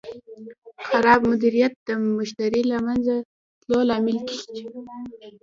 خراب مدیریت د مشتری د له منځه تلو لامل کېږي.